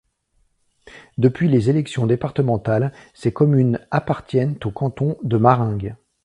Depuis les élections départementales, ces communes appartiennent au canton de Maringues.